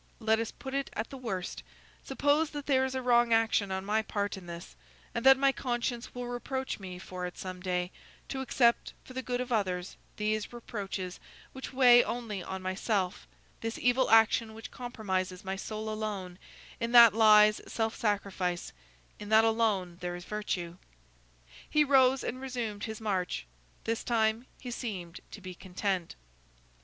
Let us put it at the worst: suppose that there is a wrong action on my part in this, and that my conscience will reproach me for it some day, to accept, for the good of others, these reproaches which weigh only on myself; this evil action which compromises my soul alone; in that lies self sacrifice; in that alone there is virtue." He rose and resumed his march; this time, he seemed to be content.